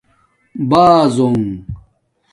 بازونگ